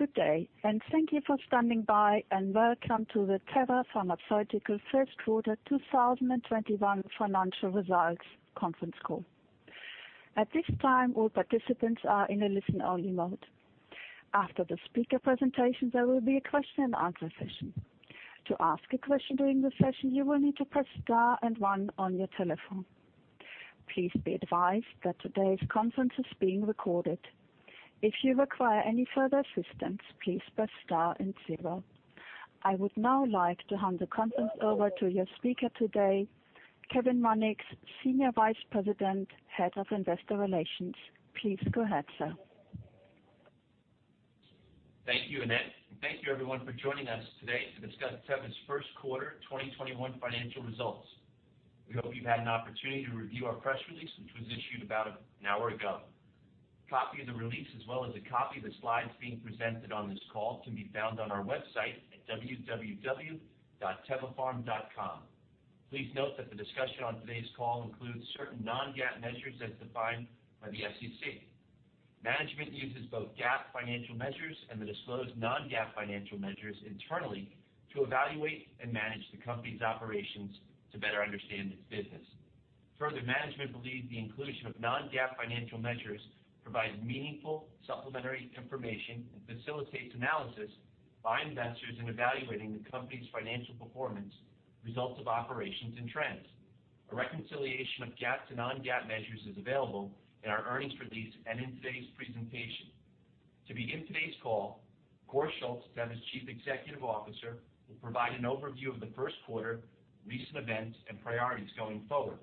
Good day, and thank you for standing by, and welcome to the Teva Pharmaceutical Q1 2021 financial results conference call. At this time, all participants are in a listen-only mode. After the speaker presentation, there will be a question and answer session. To ask a question during the session, you will need to press star and one on your telephone. Please be advised that today's conference is being recorded. If you require any further assistance, please press star and zero. I would now like to hand the conference over to your speaker today, Kevin Mannix, Senior Vice President, Head of Investor Relations. Please go ahead, sir. Thank you, Annette. Thank you everyone for joining us today to discuss Teva's Q1 2021 financial results. We hope you've had an opportunity to review our press release, which was issued about an hour ago. A copy of the release, as well as a copy of the slides being presented on this call can be found on our website at www.tevapharm.com. Please note that the discussion on today's call includes certain non-GAAP measures as defined by the SEC. Management uses both GAAP financial measures and the disclosed non-GAAP financial measures internally to evaluate and manage the company's operations to better understand its business. Further, management believes the inclusion of non-GAAP financial measures provides meaningful supplementary information and facilitates analysis by investors in evaluating the company's financial performance, results of operations, and trends. A reconciliation of GAAP to non-GAAP measures is available in our earnings release and in today's presentation. To begin today's call, Kåre Schultz, Teva's Chief Executive Officer, will provide an overview of the Q1, recent events, and priorities going forward.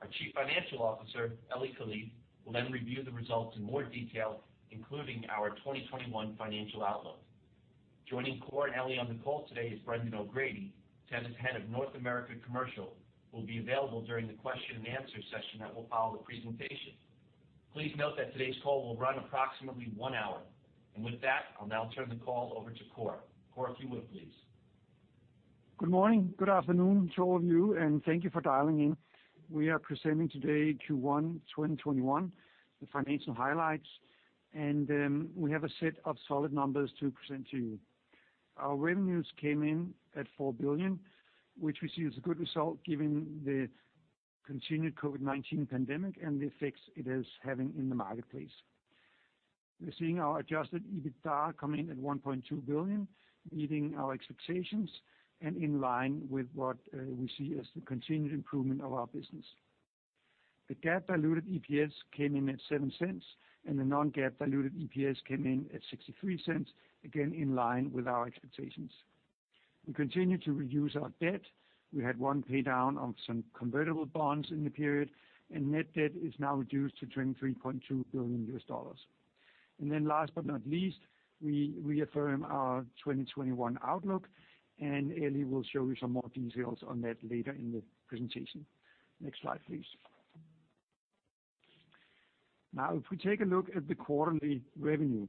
Our Chief Financial Officer, Eli Kalif, will then review the results in more detail, including our 2021 financial outlook. Joining Kåre and Eli on the call today is Brendan O'Grady, Teva's Head of North America Commercial, who will be available during the question and answer session that will follow the presentation. Please note that today's call will run approximately one hour. With that, I'll now turn the call over to Kåre. Kåre, if you would please. Good morning, good afternoon to all of you, and thank you for dialing in. We are presenting today Q1 2021, the financial highlights. We have a set of solid numbers to present to you. Our revenues came in at $4 billion, which we see as a good result given the continued COVID-19 pandemic and the effects it is having in the marketplace. We're seeing our adjusted EBITDA come in at $1.2 billion, meeting our expectations and in line with what we see as the continued improvement of our business. The GAAP diluted EPS came in at $0.07. The non-GAAP diluted EPS came in at $0.63, again, in line with our expectations. We continue to reduce our debt. We had one pay-down of some convertible bonds in the period. Net debt is now reduced to $23.2 billion. Last but not least, we reaffirm our 2021 outlook, and Eli will show you some more details on that later in the presentation. Next slide, please. If we take a look at the quarterly revenue,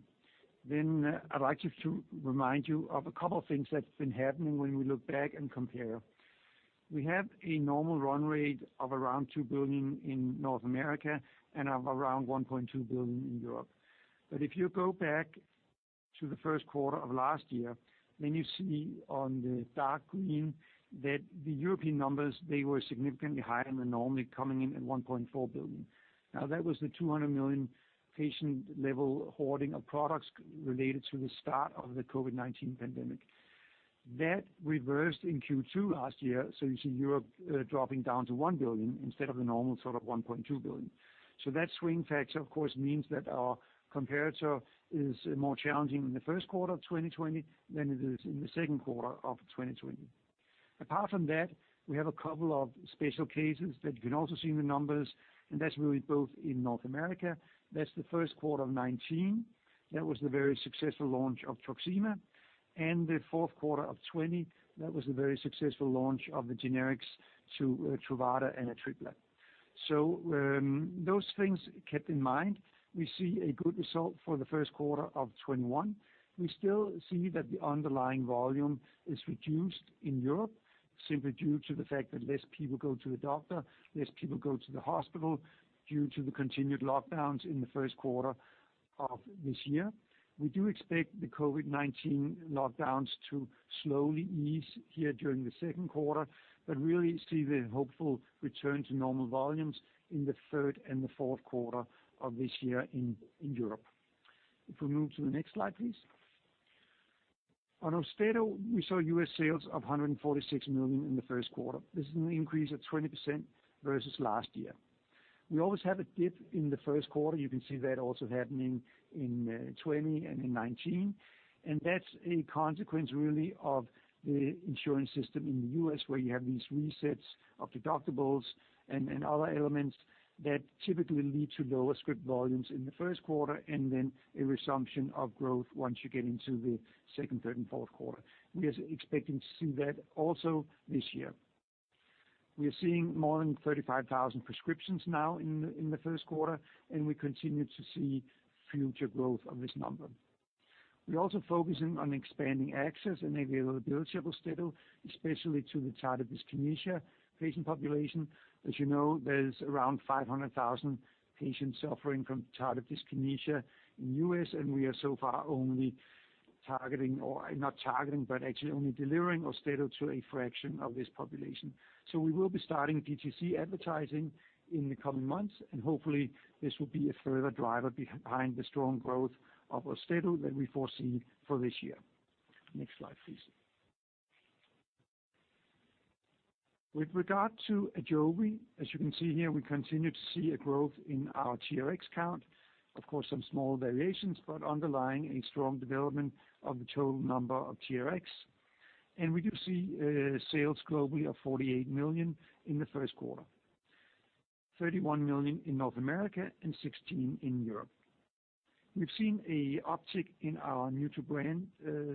I'd like you to remind you of a couple of things that's been happening when we look back and compare. We have a normal run rate of around $2 billion in North America and of around $1.2 billion in Europe. If you go back to the Q1 of last year, you see on the dark green that the European numbers, they were significantly higher than the normal, coming in at $1.4 billion. That was the $200 million patient-level hoarding of products related to the start of the COVID-19 pandemic. That reversed in Q2 last year, so you see Europe dropping down to $1 billion instead of the normal sort of $1.2 billion. That swing factor, of course, means that our comparator is more challenging in Q1 2020 than it is in Q2 2020. Apart from that, we have a couple of special cases that you can also see in the numbers, and that's really both in North America. That's Q1 2019. That was the very successful launch of TRUXIMA. The Q4 of 2020, that was the very successful launch of the generics to Truvada and ATRIPLA. Those things kept in mind, we see a good result for Q1 2021. We still see that the underlying volume is reduced in Europe, simply due to the fact that less people go to the doctor, less people go to the hospital due to the continued lockdowns in the Q1 of this year. We do expect the COVID-19 lockdowns to slowly ease here during the Q2, but really see the hopeful return to normal volumes in the third and the Q4 of this year in Europe. If we move to the next slide, please. On AUSTEDO, we saw U.S. sales of $146 million in the Q1. This is an increase of 20% versus last year. We always have a dip in the Q1. You can see that also happening in 2020 and in 2019. That's a consequence, really, of the insurance system in the U.S., where you have these resets of deductibles and other elements that typically lead to lower script volumes in the Q1, and then a resumption of growth once you get into the second, third, and Q4. We are expecting to see that also this year. We are seeing more than 35,000 prescriptions now in the Q1, and we continue to see future growth of this number. We're also focusing on expanding access and availability of AUSTEDO, especially to the tardive dyskinesia patient population. As you know, there's around 500,000 patients suffering from tardive dyskinesia in the U.S., and we are so far only delivering AUSTEDO to a fraction of this population. We will be starting DTC advertising in the coming months, and hopefully this will be a further driver behind the strong growth of AUSTEDO that we foresee for this year. Next slide, please. With regard to AJOVY, as you can see here, we continue to see a growth in our TRX count. Of course, some small variations, but underlying a strong development of the total number of TRX. We do see sales globally of $48 million in the Q1. $31 million in North America and $16 million in Europe. We've seen a uptick in our new-to-brand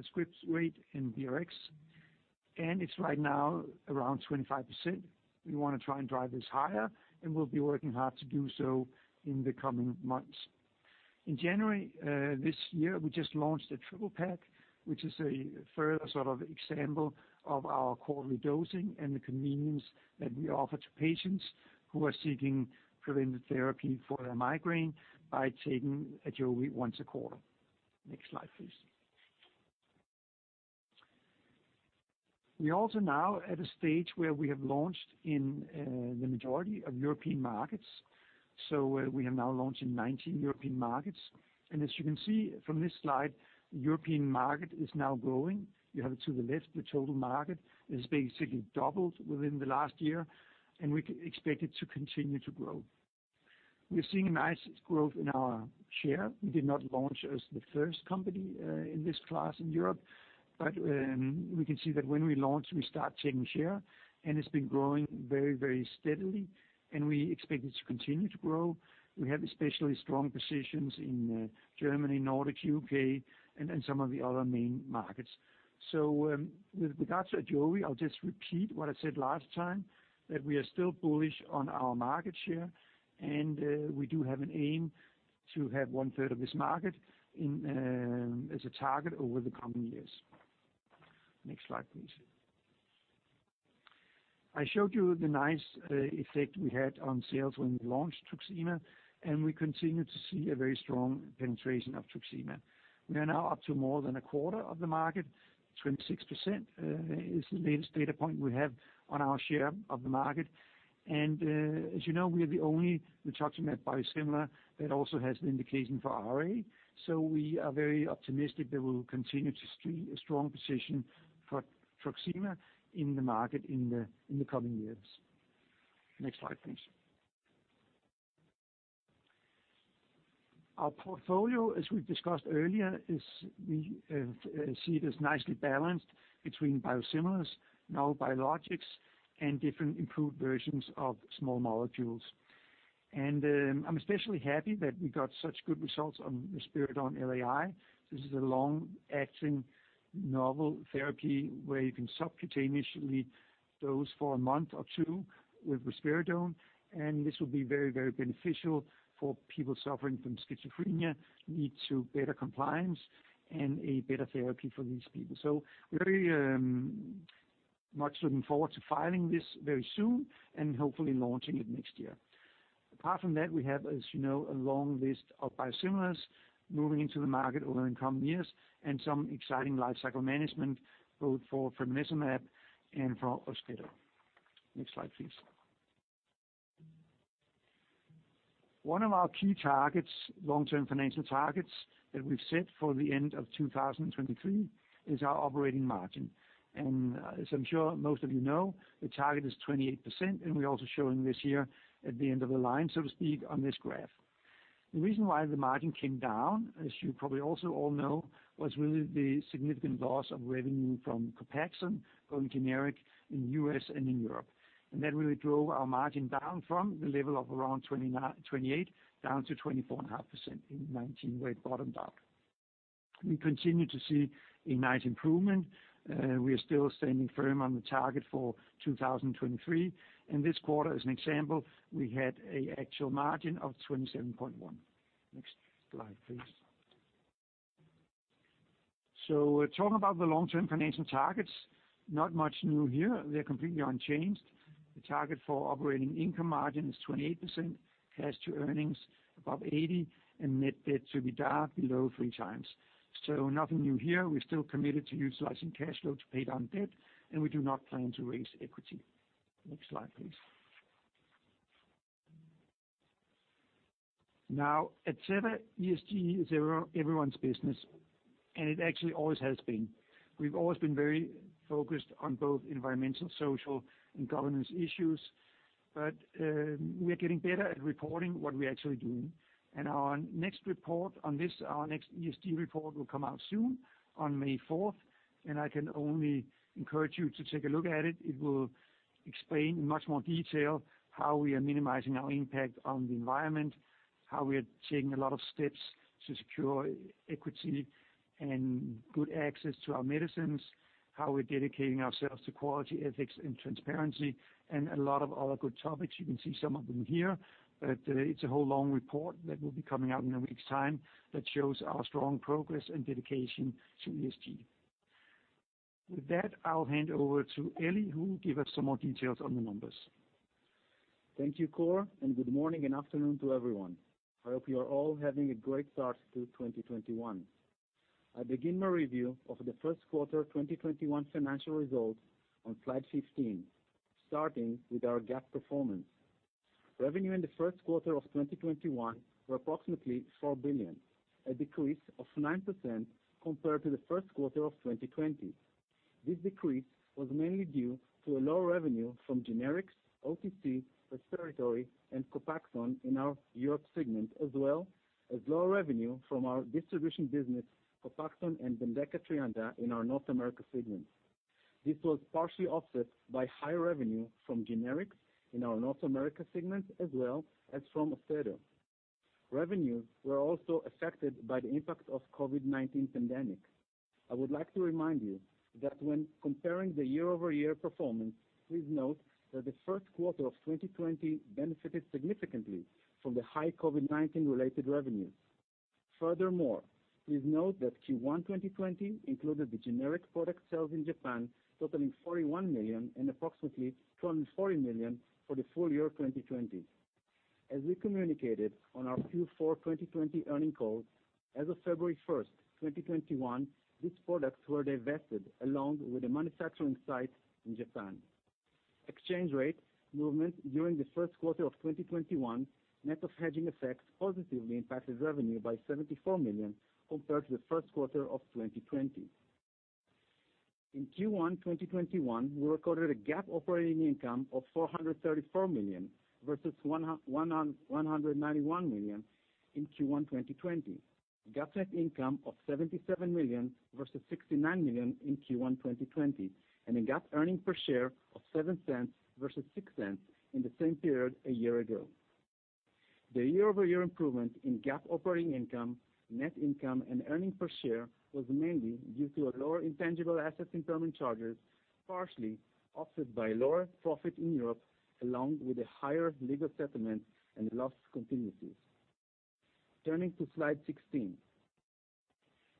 scripts rate in TRX, and it's right now around 25%. We want to try and drive this higher, and we'll be working hard to do so in the coming months. In January this year, we just launched a triple pack, which is a further sort of example of our quarterly dosing and the convenience that we offer to patients who are seeking preventive therapy for their migraine by taking AJOVY once a quarter. Next slide, please. We also now are at a stage where we have launched in the majority of European markets. We have now launched in 19 European markets. As you can see from this slide, the European market is now growing. You have it to the left, the total market has basically doubled within the last year, and we expect it to continue to grow. We're seeing nice growth in our share. We did not launch as the first company in this class in Europe, but we can see that when we launch, we start taking share, and it's been growing very steadily, and we expect it to continue to grow. We have especially strong positions in Germany, Nordic, U.K., and some of the other main markets. With regards to AJOVY, I'll just repeat what I said last time, that we are still bullish on our market share, and we do have an aim to have 1/3 of this market as a target over the coming years. Next slide, please. I showed you the nice effect we had on sales when we launched TRUXIMA, and we continue to see a very strong penetration of TRUXIMA. We are now up to more than 1/4 of the market. 26% is the latest data point we have on our share of the market. As you know, we are the only rituximab biosimilar that also has an indication for RA. We are very optimistic that we'll continue to see a strong position for TRUXIMA in the market in the coming years. Next slide, please. Our portfolio, as we discussed earlier, I see it as nicely balanced between biosimilars, now biologics, and different improved versions of small molecules. I'm especially happy that we got such good results on risperidone LAI. This is a long-acting novel therapy where you can subcutaneously dose for a month or two with risperidone, and this will be very beneficial for people suffering from schizophrenia, who need better compliance, and a better therapy for these people. We are very much looking forward to filing this very soon and hopefully launching it next year. Apart from that, we have, as you know, a long list of biosimilars moving into the market over the coming years and some exciting lifecycle management, both for fremanezumab and for AUSTEDO. Next slide, please. One of our key targets, long-term financial targets that we've set for the end of 2023 is our operating margin. As I'm sure most of you know, the target is 28%, and we're also showing this here at the end of the line, so to speak, on this graph. The reason why the margin came down, as you probably also all know, was really the significant loss of revenue from COPAXONE going generic in U.S. and in Europe. That really drove our margin down from the level of around 28% down to 24.5% in 2019, where it bottomed out. We continue to see a nice improvement. We are still standing firm on the target for 2023. In this quarter, as an example, we had an actual margin of 27.1%. Talking about the long-term financial targets, not much new here. They are completely unchanged. The target for operating income margin is 28%, cash to earnings above 80%, and net debt to EBITDA below three times. Nothing new here. We are still committed to utilizing cash flow to pay down debt, and we do not plan to raise equity. Next slide, please. At Teva, ESG is everyone's business, and it actually always has been. We have always been very focused on both environmental, social, and governance issues, but we are getting better at reporting what we are actually doing. Our next report on this, our next ESG report, will come out soon, on May 4th. I can only encourage you to take a look at it. It will explain in much more detail how we are minimizing our impact on the environment, how we are taking a lot of steps to secure equity and good access to our medicines, how we're dedicating ourselves to quality ethics and transparency, and a lot of other good topics. You can see some of them here. It's a whole long report that will be coming out in a week's time that shows our strong progress and dedication to ESG. With that, I'll hand over to Eli, who will give us some more details on the numbers. Thank you, Kåre, and good morning and afternoon to everyone. I hope you are all having a great start to 2021. I begin my review of the Q1 2021 financial results on slide 15, starting with our GAAP performance. Revenue in the Q1 of 2021 were approximately $4 billion, a decrease of 9% compared to the Q1 of 2020. This decrease was mainly due to a lower revenue from generics, OTC, respiratory, and COPAXONE in our Europe segment, as well as lower revenue from our distribution business, COPAXONE and BENDEKA TREANDA in our North America segment. This was partially offset by high revenue from generics in our North America segment, as well as from AUSTEDO. Revenues were also affected by the impact of COVID-19 pandemic. I would like to remind you that when comparing the year-over-year performance, please note that the Q1 of 2020 benefited significantly from the high COVID-19-related revenues. Furthermore, please note that Q1 2020 included the generic product sales in Japan totaling $41 million and approximately $240 million for the full year 2020. As we communicated on our Q4 2020 earning call, as of February 1st, 2021, these products were divested, along with the manufacturing site in Japan. Exchange rate movement during the Q1 of 2021, net of hedging effects, positively impacted revenue by $74 million compared to the Q1 of 2020. In Q1 2021, we recorded a GAAP operating income of $434 million versus $191 million in Q1 2020. GAAP net income of $77 million versus $69 million in Q1 2020, and a GAAP earnings per share of $0.07 versus $0.06 in the same period a year ago. The year-over-year improvement in GAAP operating income, net income, and earnings per share was mainly due to a lower intangible asset impairment charges, partially offset by lower profit in Europe, along with a higher legal settlement and loss contingencies. Turning to Slide 16.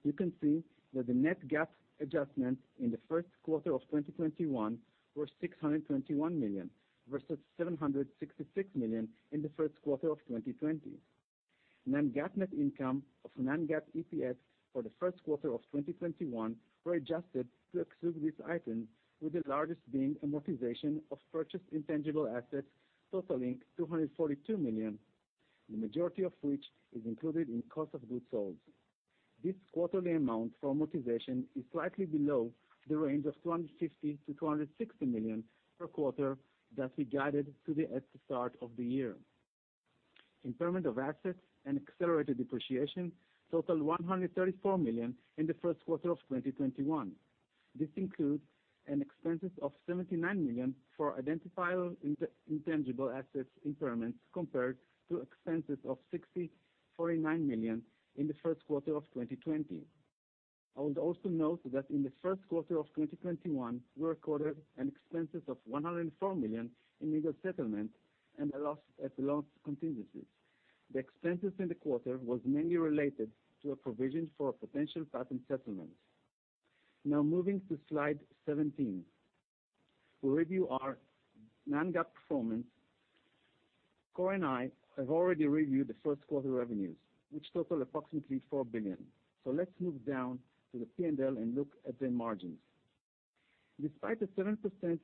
You can see that the net GAAP adjustments in the Q1 of 2021 were $621 million versus $766 million in the Q1 of 2020. Non-GAAP net income of non-GAAP EPS for the Q1 of 2021 were adjusted to exclude these items, with the largest being amortization of purchased intangible assets totaling $242 million, the majority of which is included in cost of goods sold. This quarterly amount for amortization is slightly below the range of $250 million-$260 million per quarter that we guided to at the start of the year. Impairment of assets and accelerated depreciation totaled $134 million in the Q1 of 2021. This includes an expense of $79 million for identifiable intangible assets impairments compared to expenses of $60.49 million in the Q1 of 2020. I would also note that in the Q1 of 2021, we recorded an expense of $104 million in legal settlement and loss contingencies. The expense in the quarter was mainly related to a provision for a potential patent settlement. Moving to Slide 17. We'll review our non-GAAP performance. Kåre Schultz and I have already reviewed the Q1 revenues, which totaled approximately $4 billion. Let's move down to the P&L and look at the margins. Despite a 7%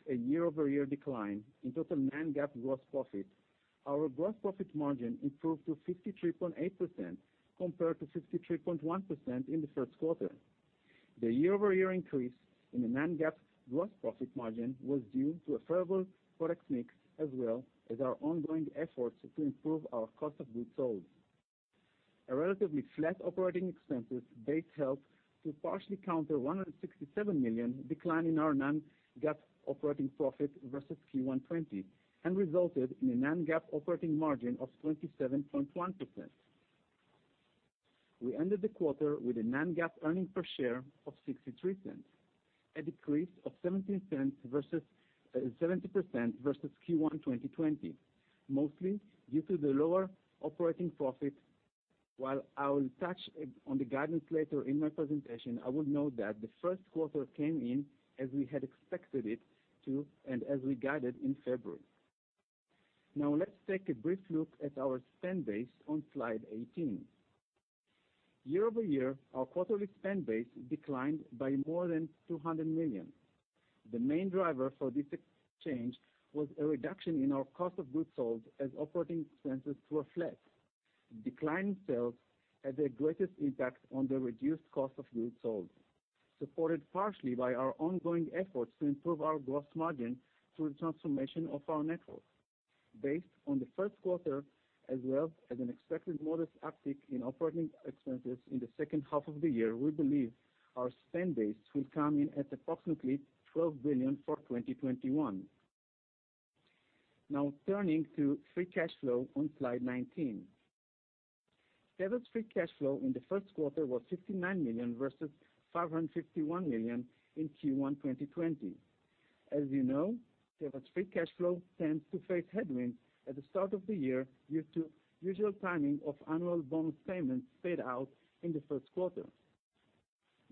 year-over-year decline in total non-GAAP gross profit, our gross profit margin improved to 53.8% compared to 53.1% in the Q1. The year-over-year increase in the non-GAAP gross profit margin was due to a favorable product mix, as well as our ongoing efforts to improve our cost of goods sold. A relatively flat operating expenses base helped to partially counter a $167 million decline in our non-GAAP operating profit versus Q1 2020 and resulted in a non-GAAP operating margin of 27.1%. We ended the quarter with a non-GAAP earnings per share of $0.63, a decrease of 17% versus Q1 2020, mostly due to the lower operating profit. While I will touch on the guidance later in my presentation, I would note that the Q1 came in as we had expected it to and as we guided in February. Now, let's take a brief look at our spend base on Slide 18. Year-over-year, our quarterly spend base declined by more than $200 million. The main driver for this exchange was a reduction in our cost of goods sold as operating expenses were flat. Decline in sales had their greatest impact on the reduced cost of goods sold, supported partially by our ongoing efforts to improve our gross margin through the transformation of our network. Based on the Q1, as well as an expected modest uptick in operating expenses in the H2 of the year, we believe our spend base will come in at approximately $12 billion for 2021. Now, turning to free cash flow on Slide 19. Teva's free cash flow in the Q1 was $59 million versus $551 million in Q1 2020. As you know, Teva's free cash flow tends to face headwinds at the start of the year due to usual timing of annual bonus payments paid out in the Q1.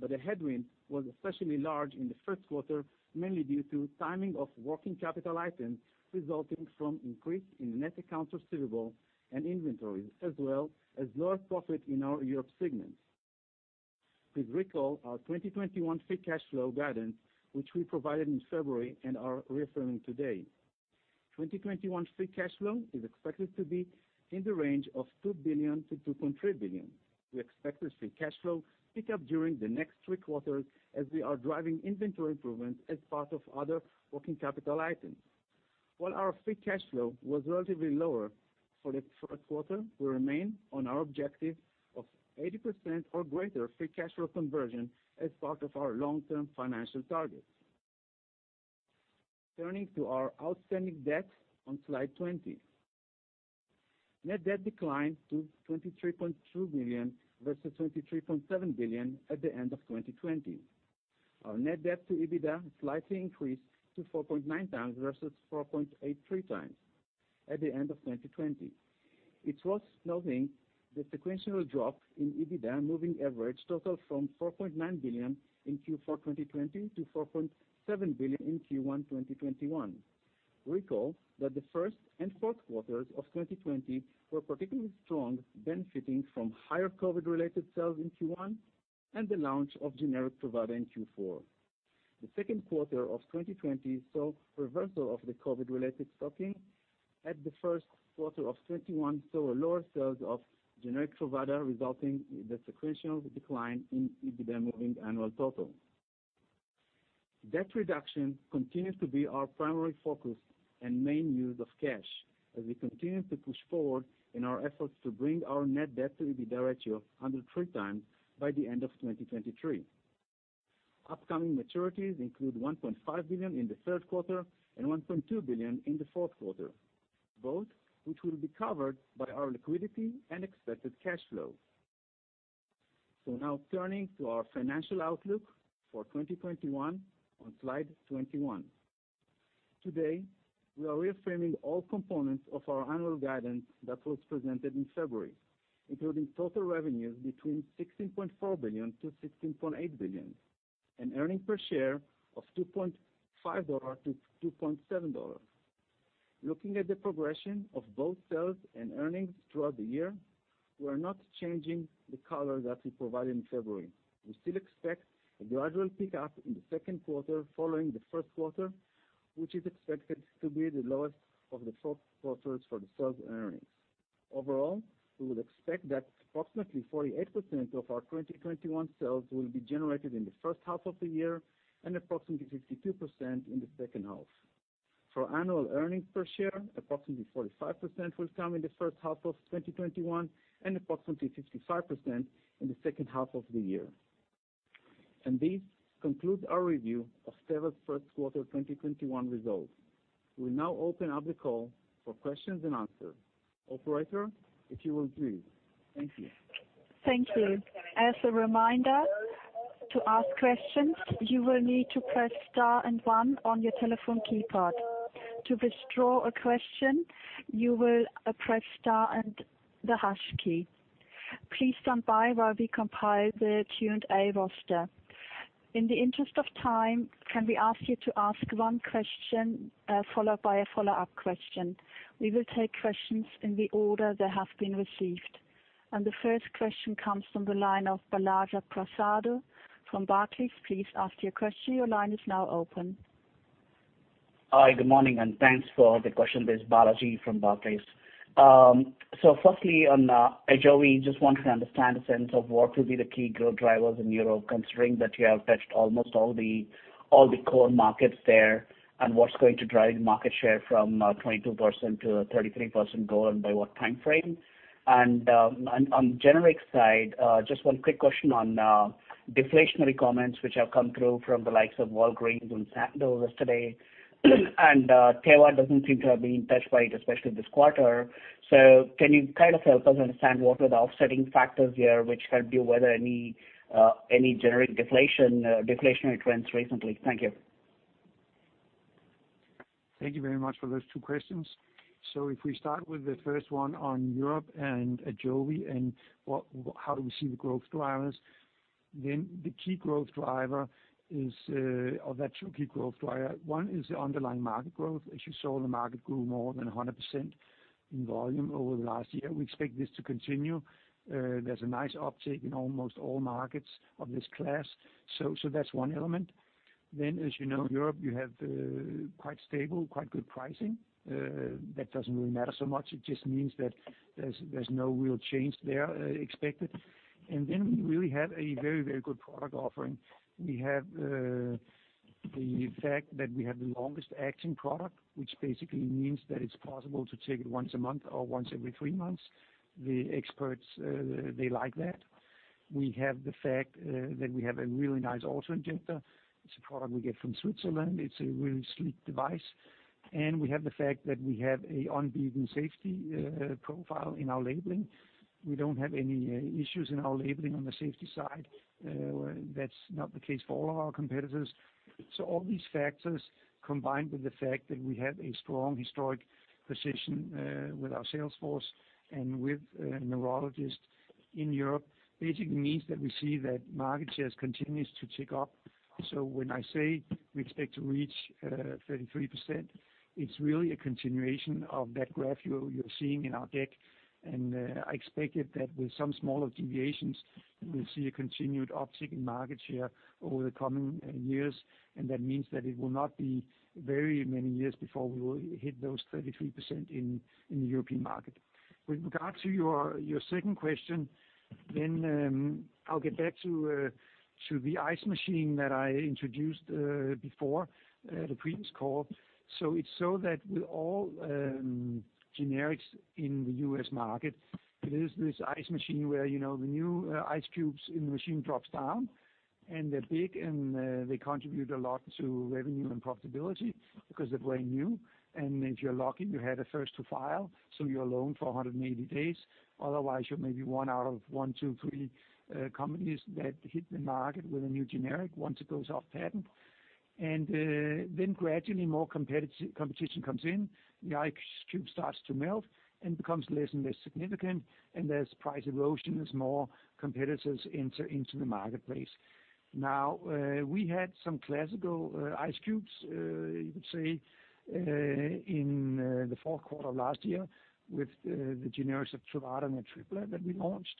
The headwind was especially large in the Q1, mainly due to timing of working capital items resulting from increase in net accounts receivable and inventories, as well as lower profit in our Europe segment. Please recall our 2021 free cash flow guidance, which we provided in February and are reaffirming today. 2021 free cash flow is expected to be in the range of $2 billion-$2.3 billion. We expect the free cash flow pick up during the next three quarters as we are driving inventory improvements as part of other working capital items. While our free cash flow was relatively lower for the Q1, we remain on our objective of 80% or greater free cash flow conversion as part of our long-term financial targets. Turning to our outstanding debts on slide 20. Net debt declined to $23.2 billion versus $23.7 billion at the end of 2020. Our net debt to EBITDA slightly increased to 4.9 times versus 4.83 times at the end of 2020. It's worth noting the sequential drop in EBITDA moving average total from $4.9 billion in Q4 2020 to $4.7 billion in Q1 2021. Recall that the first and Q4s of 2020 were particularly strong, benefiting from higher COVID-related sales in Q1 and the launch of generic Truvada in Q4. The Q2 of 2020 saw reversal of the COVID-related stocking, and the Q1 of 2021 saw lower sales of generic Truvada, resulting in the sequential decline in EBITDA moving annual total. Debt reduction continues to be our primary focus and main use of cash as we continue to push forward in our efforts to bring our net debt to EBITDA ratio under 3x by the end of 2023. Upcoming maturities include $1.5 billion in the Q3 and $1.2 billion in the Q4, both which will be covered by our liquidity and expected cash flow. Now turning to our financial outlook for 2021 on slide 21. Today, we are reaffirming all components of our annual guidance that was presented in February, including total revenues between $16.4 billion-$16.8 billion and earnings per share of $2.5-$2.7. Looking at the progression of both sales and earnings throughout the year, we are not changing the color that we provided in February. We still expect a gradual pickup in the Q2 following the Q1, which is expected to be the lowest of the four quarters for the sales earnings. Overall, we would expect that approximately 48% of our 2021 sales will be generated in the H1 of the year and approximately 52% in the H2. For annual earnings per share, approximately 45% will come in the H1 of 2021 and approximately 55% in the H2 of the year. This concludes our review of Teva's Q1 2021 results. We'll now open up the call for questions and answers. Operator, if you will please. Thank you. Thank you. As a reminder, to ask questions, you will need to press star and one on your telephone keypad. To withdraw a question, you will press star and the hash key. Please stand by while we compile the Q&A roster. In the interest of time, can we ask you to ask one question, followed by a follow-up question? We will take questions in the order they have been received. The first question comes from the line of Balaji Prasad from Barclays. Hi. Good morning, and thanks for the question. This is Balaji from Barclays. Firstly, on AJOVY, just wanted to understand the sense of what will be the key growth drivers in Europe, considering that you have touched almost all the core markets there, and what's going to drive the market share from 22% to a 33% goal, and by what timeframe? On generic side, just one quick question on deflationary comments, which have come through from the likes of Walgreens and Sandoz yesterday. Teva doesn't seem to have been touched by it, especially this quarter. Can you kind of help us understand what are the offsetting factors here which help you weather any generic deflationary trends recently? Thank you. Thank you very much for those two questions. If we start with the first one on Europe and AJOVY and how do we see the growth drivers, then the key growth driver Of that two key growth driver, one is the underlying market growth. As you saw, the market grew more than 100% in volume over the last year. We expect this to continue. There's a nice uptick in almost all markets of this class. That's one element. As you know, Europe, you have quite stable, quite good pricing. That doesn't really matter so much. It just means that there's no real change there expected. We really have a very good product offering. We have the fact that we have the longest-acting product, which basically means that it's possible to take it once a month or once every three months. The experts, they like that. We have the fact that we have a really nice auto-injector. It's a product we get from Switzerland. It's a really sleek device. We have the fact that we have an unbeaten safety profile in our labeling. We don't have any issues in our labeling on the safety side. That's not the case for all of our competitors. All these factors, combined with the fact that we have a strong historic position with our sales force and with neurologists in Europe, basically means that we see that market shares continues to tick up. When I say we expect to reach 33%, it's really a continuation of that graph you're seeing in our deck. I expect that with some smaller deviations, we'll see a continued uptick in market share over the coming years. That means that it will not be very many years before we will hit those 33% in the European market. With regard to your second question, then I'll get back to the ice machine that I introduced before the previous call. It's so that with all generics in the U.S. market, there's this ice machine where the new ice cubes in the machine drops down, and they're big, and they contribute a lot to revenue and profitability because they're brand new. If you're lucky, you had a first to file, so you're alone for 180 days. Otherwise, you're maybe one out of one, two, three companies that hit the market with a new generic once it goes off patent. Gradually more competition comes in, the ice cube starts to melt and becomes less and less significant. There's price erosion as more competitors enter into the marketplace. We had some classical ice cubes, you could say, in the Q4 of last year with the generics of Truvada and ATRIPLA that we launched.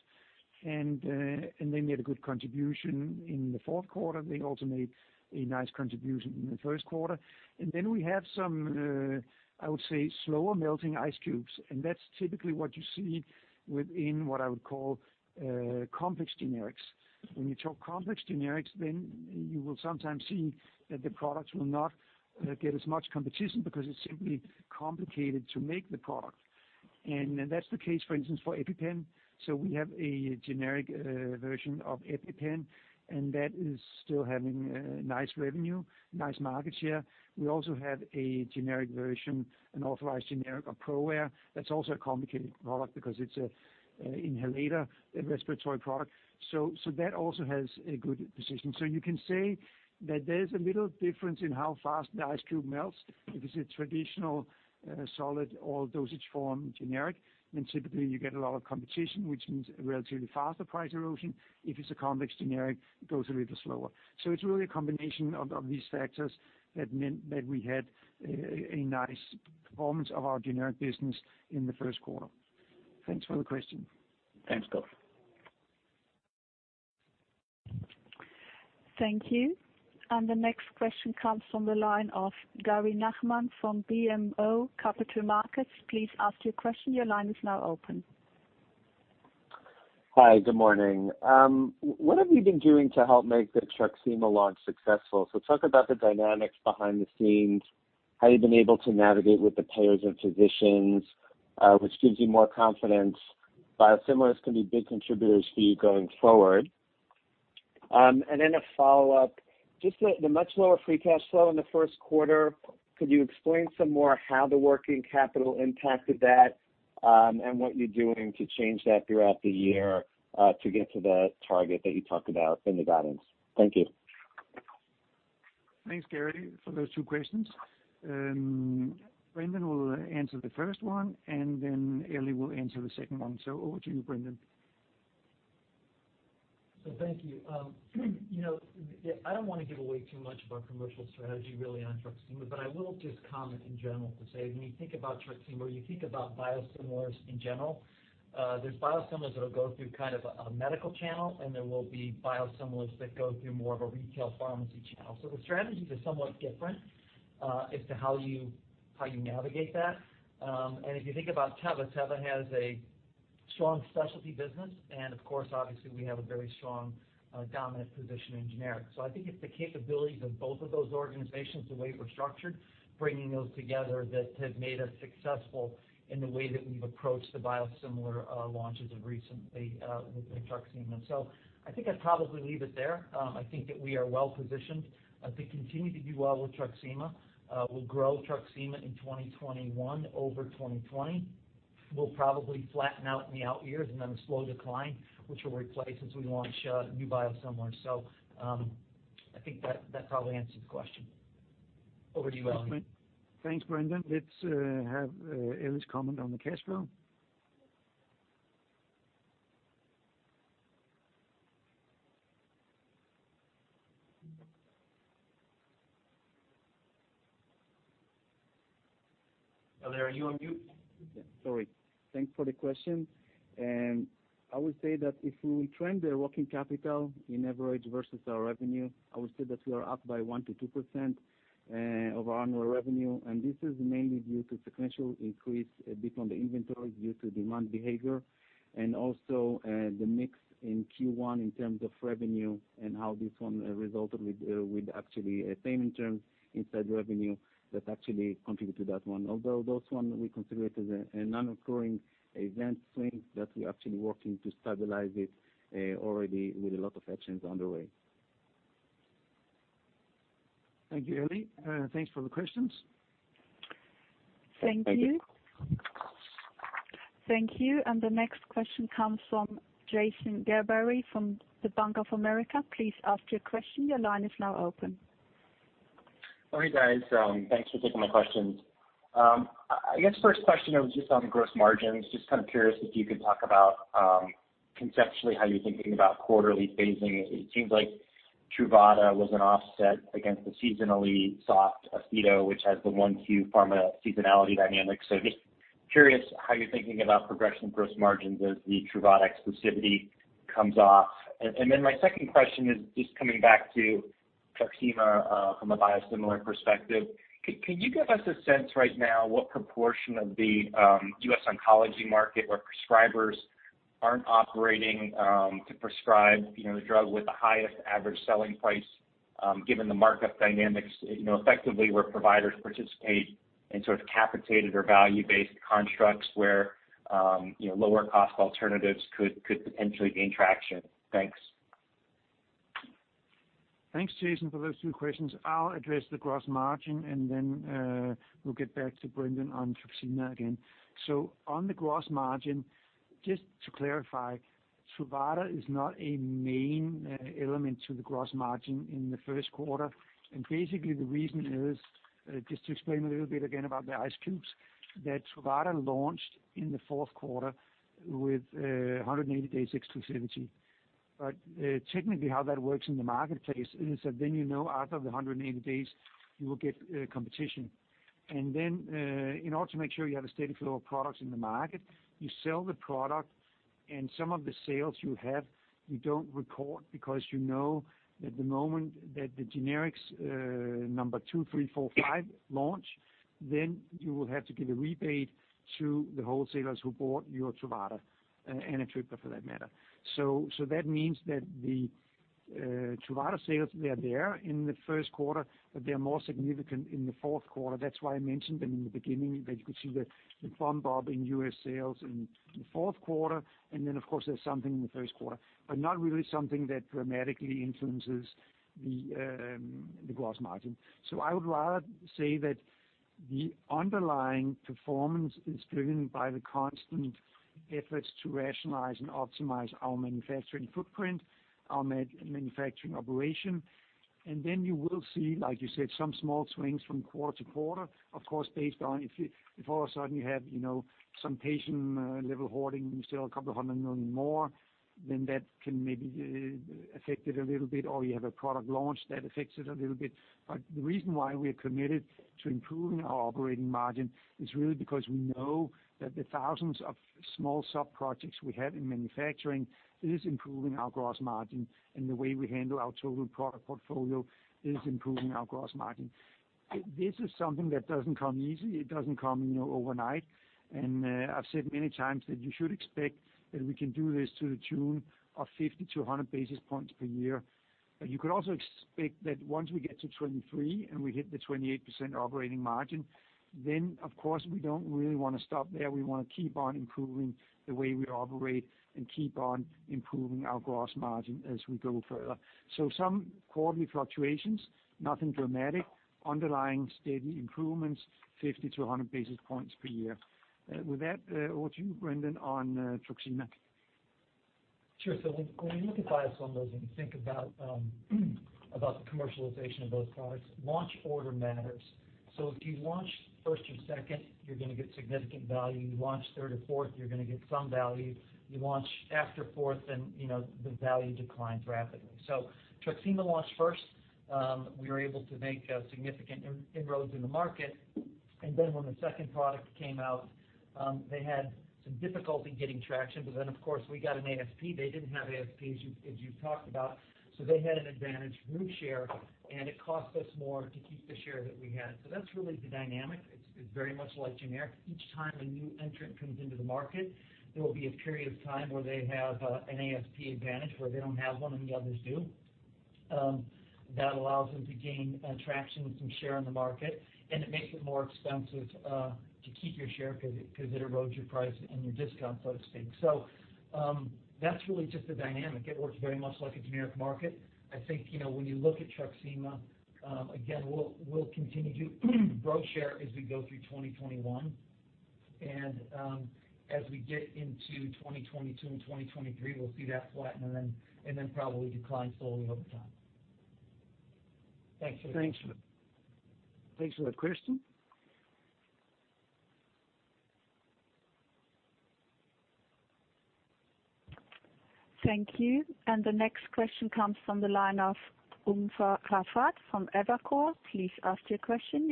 They made a good contribution in the Q4. They also made a nice contribution in the Q1. We have some, I would say, slower melting ice cubes. That's typically what you see within what I would call complex generics. When you talk complex generics, then you will sometimes see that the products will not get as much competition because it's simply complicated to make the product. That's the case, for instance, for EPIPEN. We have a generic version of EPIPEN, and that is still having nice revenue, nice market share. We also have a generic version, an authorized generic of ProAir. That's also a complicated product because it's an inhalator, a respiratory product. That also has a good position. You can say that there's a little difference in how fast the ice cube melts. If it's a traditional solid all dosage form generic, then typically you get a lot of competition, which means a relatively faster price erosion. If it's a complex generic, it goes a little slower. It's really a combination of these factors that meant that we had a nice performance of our generic business in the Q1. Thanks for the question. Thanks, Kåre. Thank you. The next question comes from the line of Gary Nachman from BMO Capital Markets. Hi, good morning. What have you been doing to help make the TRUXIMA launch successful? Talk about the dynamics behind the scenes, how you've been able to navigate with the payers and physicians, which gives you more confidence. Biosimilars can be big contributors for you going forward. Then a follow-up, just the much lower free cash flow in the Q1. Could you explain some more how the working capital impacted that and what you're doing to change that throughout the year to get to the target that you talked about in the guidance? Thank you. Thanks, Gary, for those two questions. Brendan will answer the first one, and then Eli will answer the second one. Over to you, Brendan. Thank you. I don't want to give away too much of our commercial strategy really on TRUXIMA, but I will just comment in general to say, when you think about TRUXIMA, you think about biosimilars in general. There's biosimilars that'll go through kind of a medical channel, and there will be biosimilars that go through more of a retail pharmacy channel. The strategies are somewhat different as to how you navigate that. If you think about Teva has a strong specialty business. Of course, obviously, we have a very strong, dominant position in generic. I think it's the capabilities of both of those organizations, the way we're structured, bringing those together that have made us successful in the way that we've approached the biosimilar launches of recently with TRUXIMA. I think I'd probably leave it there. I think that we are well-positioned to continue to do well with TRUXIMA. We'll grow TRUXIMA in 2021 over 2020. We'll probably flatten out in the out years and then a slow decline, which will replace as we launch new biosimilars. I think that probably answers the question. Over to you, Eli. Thanks, Brendan. Let's have Eli's comment on the cash flow. Eli, are you on mute? Sorry. Thanks for the question. I would say that if we will trend the working capital in average versus our revenue, I would say that we are up by 1%-2% of our annual revenue. This is mainly due to sequential increase a bit on the inventory due to demand behavior and also the mix in Q1 in terms of revenue and how this one resulted with actually payment terms inside revenue that actually contribute to that one. Although those one we consider it as a non-occurring event swing that we're actually working to stabilize it already with a lot of actions underway. Thank you, Eli. Thanks for the questions. Thank you. Thank you. Thank you. The next question comes from Jason Gerberry from the Bank of America. Please ask your question. Hi, guys. Thanks for taking my questions. I guess first question was just on gross margins. Just kind of curious if you could talk about conceptually how you're thinking about quarterly phasing. It seems like Truvada was an offset against the seasonally soft AUSTEDO, which has the 1Q pharma seasonality dynamic. Just curious how you're thinking about progression gross margins as the Truvada exclusivity comes off. My second question is just coming back to TRUXIMA from a biosimilar perspective. Could you give us a sense right now what proportion of the U.S. oncology market where prescribers aren't operating to prescribe the drug with the highest average selling price given the markup dynamics effectively where providers participate in sort of capitated or value-based constructs where lower cost alternatives could potentially gain traction? Thanks. Thanks, Jason, for those two questions. I'll address the gross margin and then we'll get back to Brendan on TRUXIMA again. On the gross margin, just to clarify, Truvada is not a main element to the gross margin in the Q1. Basically, the reason is, just to explain a little bit again about the ice cubes, that Truvada launched in the Q4 with 180 days exclusivity. Technically, how that works in the marketplace is that then you know after the 180 days, you will get competition. Then in order to make sure you have a steady flow of products in the market, you sell the product and some of the sales you have, you don't record because you know that the moment that the generics number two, three, four, five launch, then you will have to give a rebate to the wholesalers who bought your Truvada and Entyvio for that matter. That means that the Truvada sales, they are there in the Q1, but they're more significant in the Q4. That's why I mentioned them in the beginning, that you could see the bump up in U.S. sales in the Q4, then of course, there's something in the Q1, but not really something that dramatically influences the gross margin. I would rather say that the underlying performance is driven by the constant efforts to rationalize and optimize our manufacturing footprint, our manufacturing operation. You will see, like you said, some small swings from quarter to quarter. Of course, based on if all of a sudden you have some patient level hoarding, you sell $200 million more, then that can maybe affect it a little bit, or you have a product launch that affects it a little bit. The reason why we are committed to improving our operating margin is really because we know that the thousands of small sub-projects we have in manufacturing is improving our gross margin, and the way we handle our total product portfolio is improving our gross margin. This is something that doesn't come easy. It doesn't come overnight. I've said many times that you should expect that we can do this to the tune of 50-100 basis points per year. You could also expect that once we get to 2023 and we hit the 28% operating margin, then of course, we don't really want to stop there. We want to keep on improving the way we operate and keep on improving our gross margin as we go further. Some quarterly fluctuations, nothing dramatic, underlying steady improvements, 50-100 basis points per year. With that, over to you, Brendan, on TRUXIMA. Sure. When you look at biosimilars and you think about the commercialization of those products, launch order matters. If you launch first or second, you're going to get significant value. You launch third or fourth, you're going to get some value. You launch after fourth, then the value declines rapidly. TRUXIMA launched first. We were able to make significant inroads in the market. When the second product came out, they had some difficulty getting traction, but then of course, we got an ASP. They didn't have ASP as you talked about. They had an advantage root share, and it cost us more to keep the share that we had. That's really the dynamic. It's very much like generic. Each time a new entrant comes into the market, there will be a period of time where they have an ASP advantage, where they don't have one and the others do. That allows them to gain traction and some share in the market, and it makes it more expensive to keep your share because it erodes your price and your discount, so to speak. That's really just the dynamic. It works very much like a generic market. I think when you look at TRUXIMA, again, we'll continue to grow share as we go through 2021. As we get into 2022 and 2023, we'll see that flatten and then probably decline slowly over time. Thanks. Thanks for the question. Thank you. The next question comes from the line of Umer Raffat from Evercore. Please ask your question.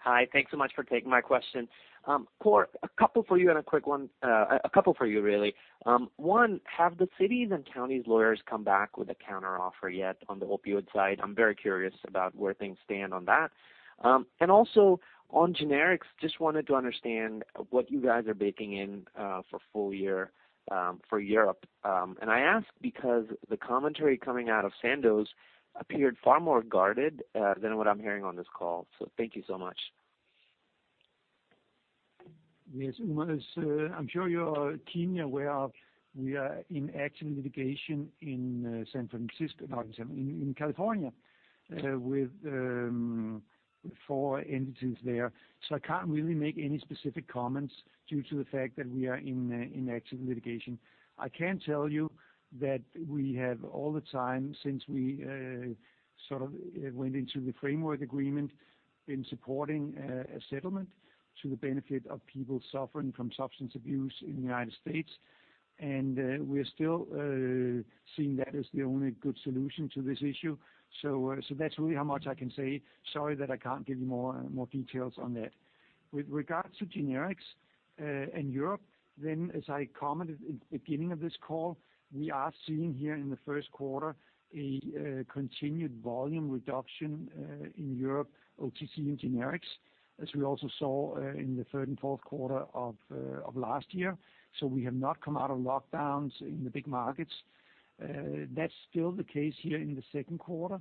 Hi. Thanks so much for taking my question. Kåre, a couple for you and a quick one. A couple for you really. One, have the cities and counties lawyers come back with a counteroffer yet on the opioid side? I'm very curious about where things stand on that. Also on generics, just wanted to understand what you guys are baking in for full year for Europe. I ask because the commentary coming out of Sandoz appeared far more guarded than what I'm hearing on this call. Thank you so much. Yes, Umer, I'm sure your team is aware of we are in active litigation in California with four entities there. I can't really make any specific comments due to the fact that we are in active litigation. I can tell you that we have all the time since we sort of went into the framework agreement in supporting a settlement to the benefit of people suffering from substance abuse in the United States, and we're still seeing that as the only good solution to this issue. That's really how much I can say. Sorry that I can't give you more details on that. With regards to generics in Europe, as I commented at the beginning of this call, we are seeing here in the Q1 a continued volume reduction in Europe OTC and generics, as we also saw in the third and Q4 of last year. We have not come out of lockdowns in the big markets. That's still the case here in the Q2.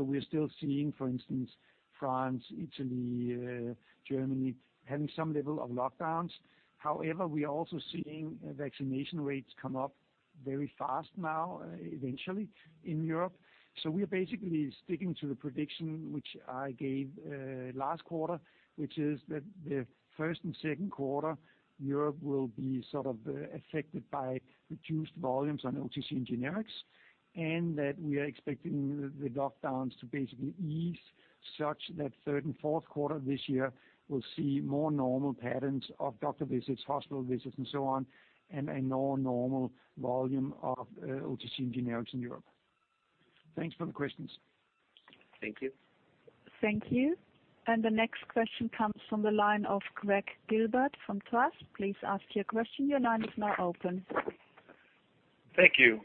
We are still seeing, for instance, France, Italy, Germany, having some level of lockdowns. However, we are also seeing vaccination rates come up very fast now eventually in Europe. We are basically sticking to the prediction which I gave last quarter, which is that the first and Q2, Europe will be sort of affected by reduced volumes on OTC and generics, and that we are expecting the lockdowns to basically ease such that third and Q4 this year will see more normal patterns of doctor visits, hospital visits, and so on, and a more normal volume of OTC and generics in Europe. Thanks for the questions. Thank you. Thank you. The next question comes from the line of Gregg Gilbert from Truist. Please ask your question. Thank you.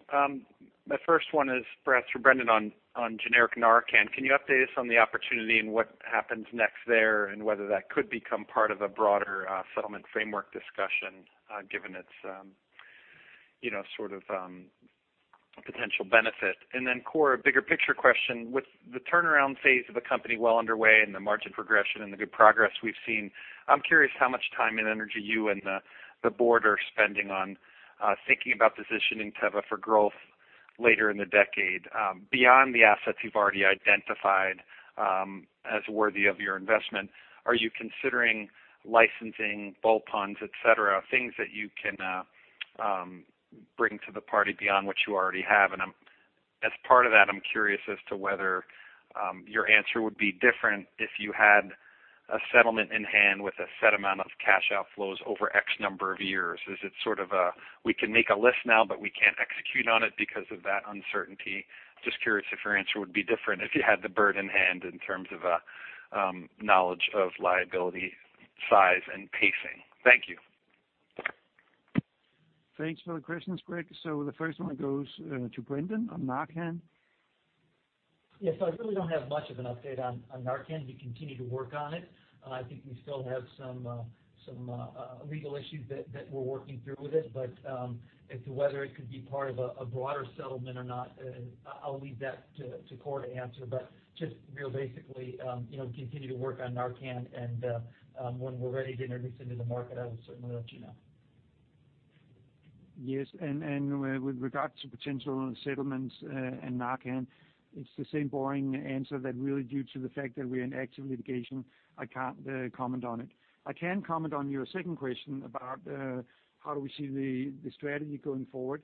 My first one is perhaps for Brendan on generic NARCAN. Can you update us on the opportunity and what happens next there, and whether that could become part of a broader settlement framework discussion given its sort of potential benefit? Kåre, a bigger picture question. With the turnaround phase of the company well underway and the margin progression and the good progress we've seen, I'm curious how much time and energy you and the board are spending on thinking about positioning Teva for growth later in the decade. Beyond the assets you've already identified as worthy of your investment, are you considering licensing bolt-ons, et cetera, things that you can bring to the party beyond what you already have? As part of that, I'm curious as to whether your answer would be different if you had a settlement in hand with a set amount of cash outflows over X number of years. Is it sort of a, we can make a list now, but we can't execute on it because of that uncertainty? Just curious if your answer would be different if you had the bird in hand in terms of knowledge of liability, size and pacing. Thank you. Thanks for the questions, Gregg. The first one goes to Brendan on NARCAN. Yes. I really don't have much of an update on Narcan. We continue to work on it. I think we still have some legal issues that we're working through with it. As to whether it could be part of a broader settlement or not, I'll leave that to Kåre to answer. Just real basically, continue to work on Narcan and when we're ready to introduce it to the market, I will certainly let you know. Yes. With regards to potential settlements and NARCAN, it's the same boring answer that really due to the fact that we're in active litigation, I can't comment on it. I can comment on your second question about how do we see the strategy going forward.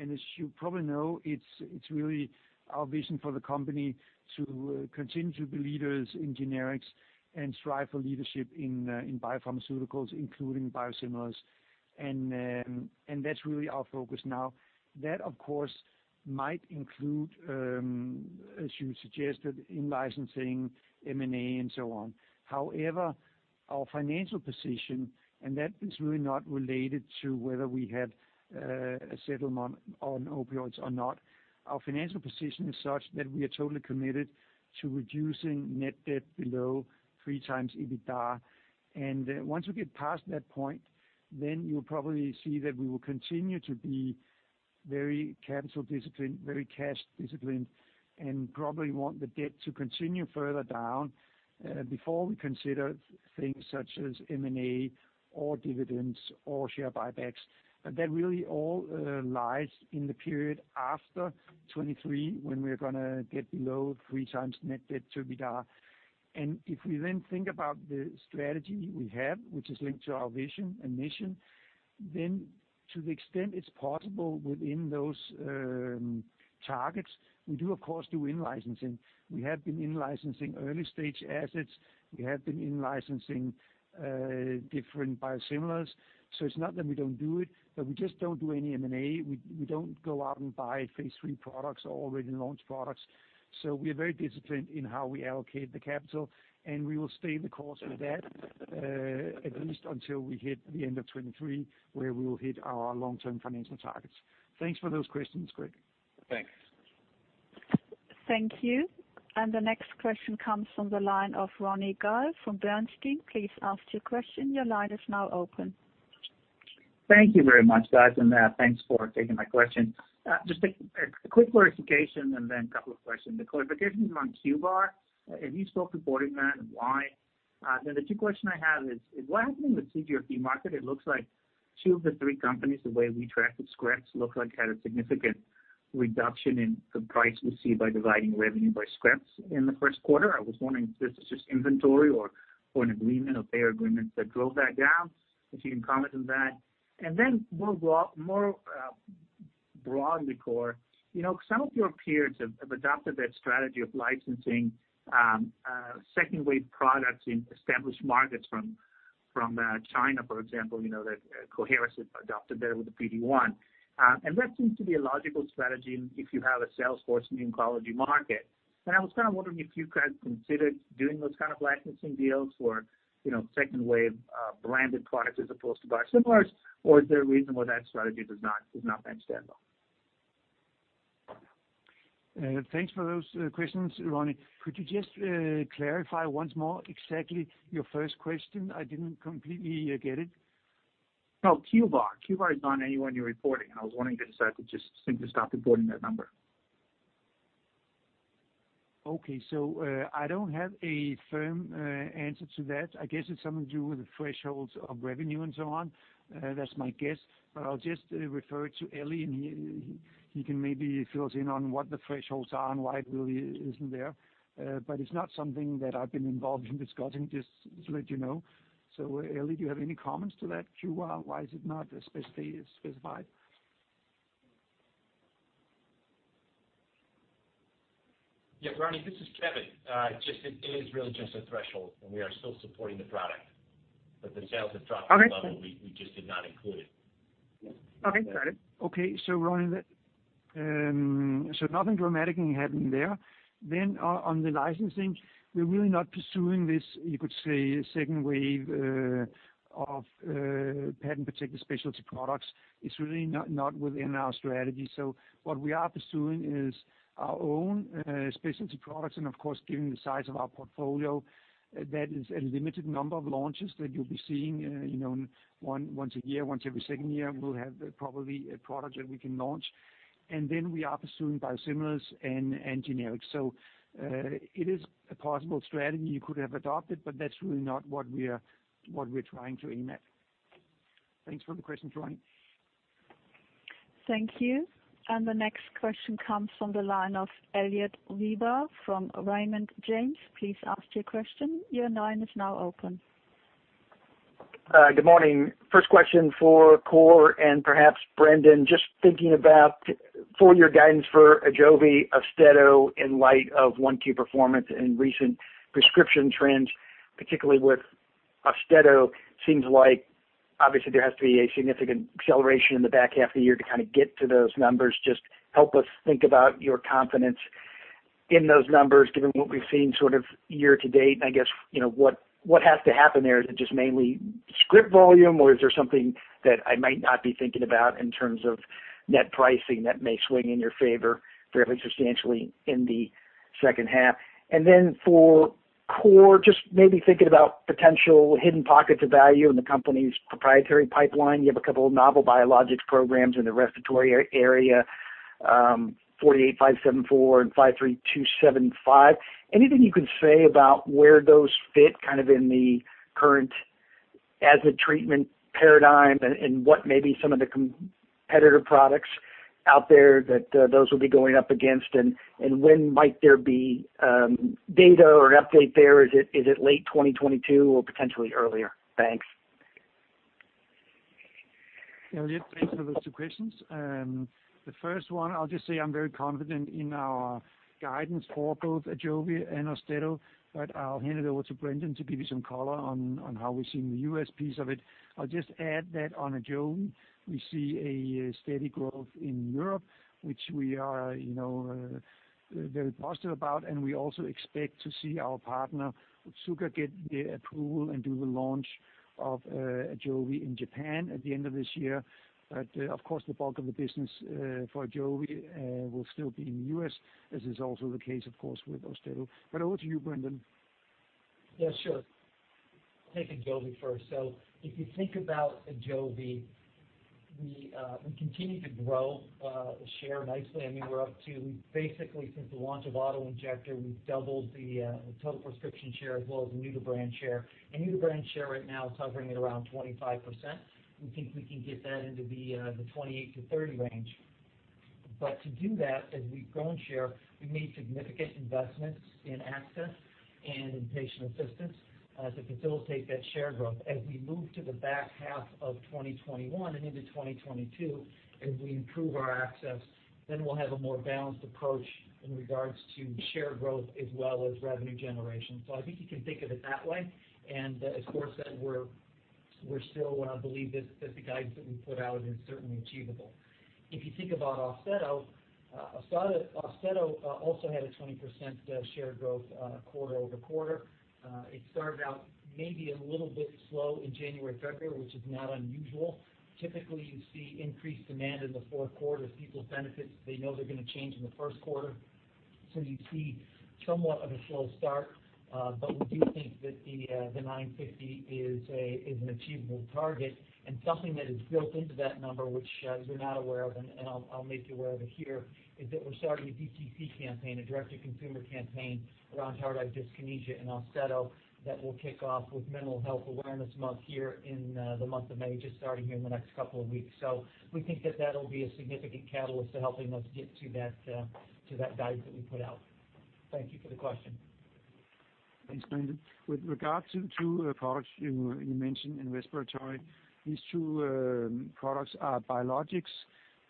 As you probably know, it's really our vision for the company to continue to be leaders in generics and strive for leadership in biopharmaceuticals, including biosimilars. That's really our focus now. That, of course, might include, as you suggested, in-licensing, M&A, and so on. However, our financial position, and that is really not related to whether we have a settlement on opioids or not. Our financial position is such that we are totally committed to reducing net debt below 3x EBITDA. Once we get past that point, then you'll probably see that we will continue to be very capital disciplined, very cash disciplined, and probably want the debt to continue further down before we consider things such as M&A or dividends or share buybacks. That really all lies in the period after 2023 when we're going to get below 3x net debt to EBITDA. If we then think about the strategy we have, which is linked to our vision and mission, then to the extent it's possible within those targets, we do of course do in-licensing. We have been in-licensing early stage assets. We have been in-licensing different biosimilars. It's not that we don't do it, but we just don't do any M&A. We don't go out and buy phase III products or already launched products. We are very disciplined in how we allocate the capital, and we will stay the course with that at least until we hit the end of 2023, where we will hit our long-term financial targets. Thanks for those questions, Gregg. Thanks. Thank you. The next question comes from the line of Ronny Gal from Bernstein. Please ask your question. Thank you very much, guys, and thanks for taking my question. Just a quick clarification and a couple of questions. The clarification is on QVAR. Have you stopped reporting that and why? The two questions I have is, what happened in the CGRP market? It looks like two of the three companies, the way we track the scripts, look like had a significant reduction in the price we see by dividing revenue by scripts in the Q1. I was wondering if this is just inventory or an agreement, a payer agreement that drove that down, if you can comment on that. More broadly, Kåre, some of your peers have adopted that strategy of licensing second-wave products in established markets from China, for example, that Coherus has adopted there with the PD-1. That seems to be a logical strategy if you have a salesforce in the oncology market. I was kind of wondering if you guys considered doing those kind of licensing deals for second-wave branded products as opposed to biosimilars, or is there a reason why that strategy does not make sense at all? Thanks for those questions, Ronny. Could you just clarify once more exactly your first question? I didn't completely get it. No, QVAR. QVAR is not anywhere in your reporting, and I was wondering if you decided to just simply stop reporting that number. Okay, I don't have a firm answer to that. I guess it's something to do with the thresholds of revenue and so on. That's my guess. I'll just refer to Eli, and he can maybe fill us in on what the thresholds are and why it really isn't there. It's not something that I've been involved in discussing, just to let you know. Eli, do you have any comments to that, QVAR, why is it not specified? Yeah, Ronny, this is Kevin. It is really just a threshold, and we are still supporting the product, but the sales have dropped to a level we just did not include it. Okay, got it. Okay, Ronny, nothing dramatic happened there. On the licensing, we're really not pursuing this, you could say, second wave of patent-protected specialty products. It's really not within our strategy. What we are pursuing is our own specialty products, of course, given the size of our portfolio, that is a limited number of launches that you'll be seeing once a year, once every second year, we'll have probably a product that we can launch. Then we are pursuing biosimilars and generics. It is a possible strategy you could have adopted, but that's really not what we're trying to aim at. Thanks for the question, Ronny. Thank you. The next question comes from the line of Elliot Wilbur from Raymond James. Good morning. First question for Kåre and perhaps Brendan, just thinking about full-year guidance for AJOVY, AUSTEDO in light of Q1 performance and recent prescription trends, particularly with AUSTEDO. Seems like obviously there has to be a significant acceleration in the back half of the year to get to those numbers. Just help us think about your confidence in those numbers, given what we've seen year to date. I guess, what has to happen there? Is it just mainly script volume, or is there something that I might not be thinking about in terms of net pricing that may swing in your favor fairly substantially in the H2? Then for Kåre, just maybe thinking about potential hidden pockets of value in the company's proprietary pipeline. You have a couple of novel biologics programs in the respiratory area, TEV-48574 and TEV-53275. Anything you can say about where those fit in the current as-a-treatment paradigm and what may be some of the competitor products out there that those will be going up against? When might there be data or an update there? Is it late 2022 or potentially earlier? Thanks. Elliot, thanks for those two questions. The first one, I'll just say I'm very confident in our guidance for both AJOVY and AUSTEDO, I'll hand it over to Brendan to give you some color on how we're seeing the U.S. piece of it. I'll just add that on AJOVY, we see a steady growth in Europe, which we are very positive about, and we also expect to see our partner, Otsuka, get the approval and do the launch of AJOVY in Japan at the end of this year. Of course, the bulk of the business for AJOVY will still be in the U.S., as is also the case, of course, with AUSTEDO. Over to you, Brendan. Yeah, sure. I'll take AJOVY first. If you think about AJOVY, we continue to grow the share nicely. We're up to basically since the launch of auto-injector, we've doubled the total prescription share as well as the new-to-brand share. New-to-brand share right now is hovering at around 25%. We think we can get that into the 28%-30% range. To do that, as we've grown share, we've made significant investments in access and in patient assistance to facilitate that share growth. As we move to the back half of 2021 and into 2022, as we improve our access, then we'll have a more balanced approach in regards to share growth as well as revenue generation. I think you can think of it that way. Of course, then we're still what I believe that the guidance that we put out is certainly achievable. If you think about AUSTEDO also had a 20% share growth quarter-over-quarter. It started out maybe a little bit slow in January, February, which is not unusual. Typically, you see increased demand in the Q4 as people's benefits, they know they're going to change in the Q1. You see somewhat of a slow start, but we do think that the $950 is an achievable target and something that is built into that number, which you're not aware of, and I'll make you aware of it here, is that we're starting a DTC campaign, a direct-to-consumer campaign around tardive dyskinesia and AUSTEDO that will kick off with Mental Health Awareness Month here in the month of May, just starting here in the next couple of weeks. We think that that'll be a significant catalyst to helping us get to that value that we put out. Thank you for the question. Thanks, Brendan. With regard to two products you mentioned in respiratory, these two products are biologics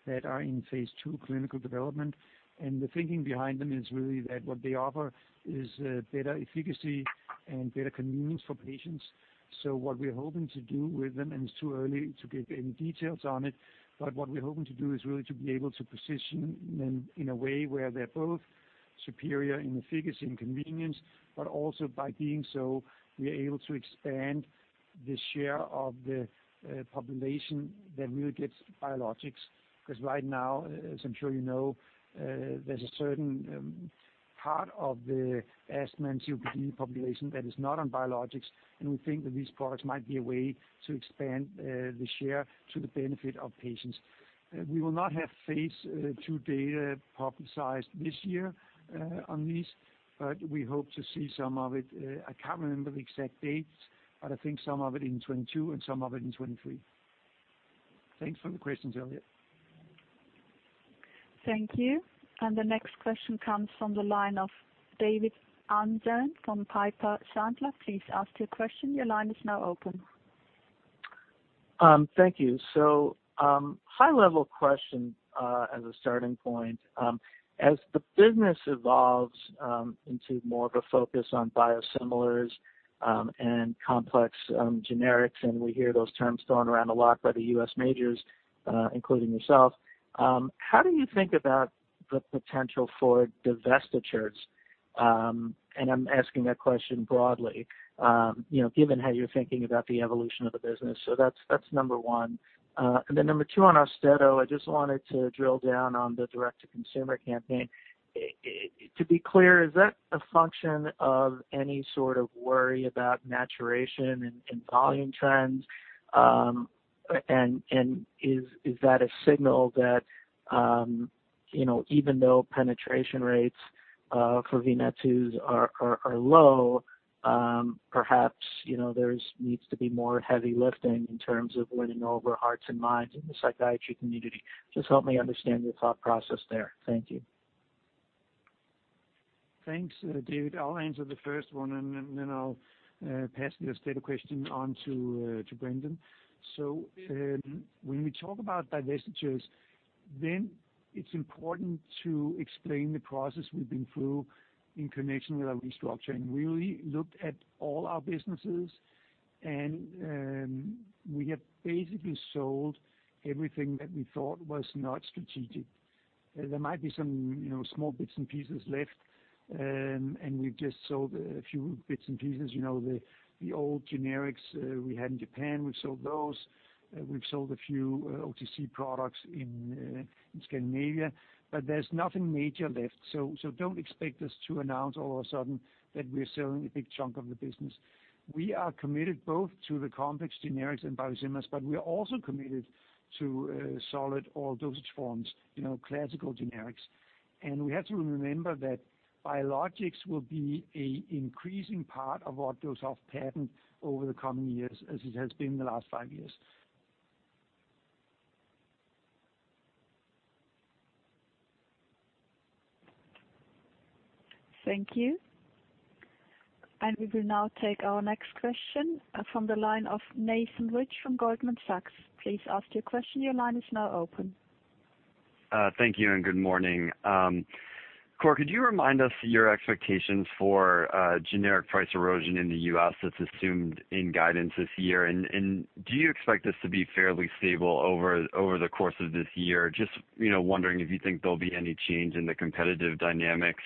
that are in phase II clinical development. The thinking behind them is really that what they offer is better efficacy and better convenience for patients. What we're hoping to do with them, and it's too early to give any details on it, but what we're hoping to do is really to be able to position them in a way where they're both superior in efficacy and convenience, but also by doing so, we are able to expand the share of the population that really gets biologics. Because right now, as I'm sure you know, there's a certain part of the asthma and COPD population that is not on biologics, and we think that these products might be a way to expand the share to the benefit of patients. We will not have phase II data publicized this year on these, but we hope to see some of it. I can't remember the exact dates, but I think some of it in 2022 and some of it in 2023. Thanks for the questions, Elliot. Thank you. The next question comes from the line of David Amsellem from Piper Sandler. Please ask your question. Your line is now open. Thank you. High-level question as a starting point. As the business evolves into more of a focus on biosimilars and complex generics, and we hear those terms thrown around a lot by the U.S. majors, including yourself, how do you think about the potential for divestitures? I'm asking that question broadly given how you're thinking about the evolution of the business. That's number one. Number two on AUSTEDO, I just wanted to drill down on the direct-to-consumer campaign. To be clear, is that a function of any sort of worry about maturation and volume trends? Is that a signal that even though penetration rates for VMATs are low perhaps, there needs to be more heavy lifting in terms of winning over hearts and minds in the psychiatry community? Just help me understand your thought process there. Thank you. Thanks, David. I'll answer the first one, and then I'll pass the AUSTEDO question on to Brendan. When we talk about divestitures, then it's important to explain the process we've been through in connection with our restructuring. We really looked at all our businesses, and we have basically sold everything that we thought was not strategic. There might be some small bits and pieces left, and we've just sold a few bits and pieces. The old generics we had in Japan, we've sold those. We've sold a few OTC products in Scandinavia. There's nothing major left, so don't expect us to announce all of a sudden that we're selling a big chunk of the business. We are committed both to the complex generics and biosimilars, but we are also committed to solid oral dosage forms, classical generics. We have to remember that biologics will be an increasing part of what goes off patent over the coming years as it has been the last five years. Thank you. We will now take our next question from the line of Nathan Rich from Goldman Sachs. Please ask your question. Your line is now open. Thank you, and good morning. Kåre, could you remind us your expectations for generic price erosion in the U.S. that's assumed in guidance this year? Do you expect this to be fairly stable over the course of this year? Just wondering if you think there'll be any change in the competitive dynamics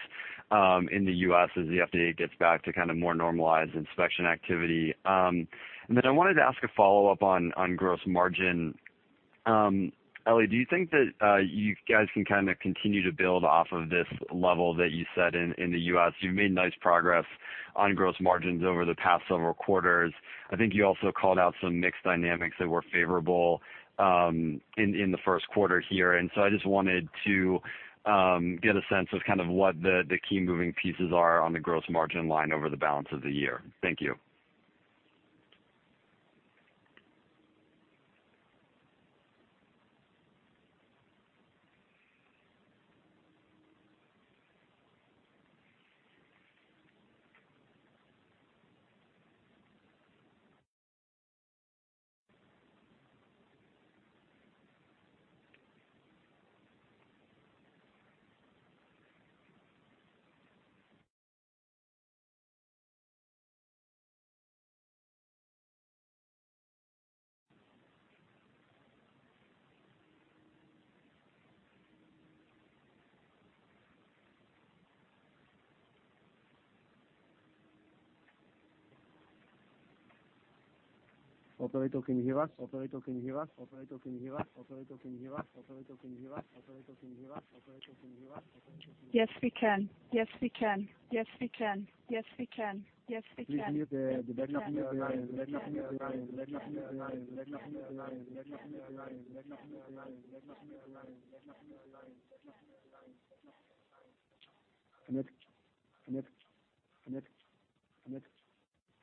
in the U.S. as the FDA gets back to more normalized inspection activity. I wanted to ask a follow-up on gross margin. Eli, do you think that you guys can continue to build off of this level that you set in the U.S.? You've made nice progress on gross margins over the past several quarters. I think you also called out some mixed dynamics that were favorable in the Q1 here. I just wanted to get a sense of what the key moving pieces are on the gross margin line over the balance of the year. Thank you. Operator, can you hear us? Yes, we can. Please mute the backup